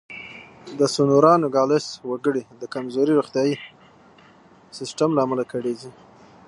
د سونورا نوګالس وګړي د کمزوري روغتیايي سیستم له امله کړېږي.